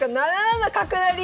７七角成！